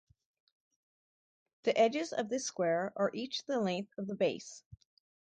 The edges of this square are each the length of the base.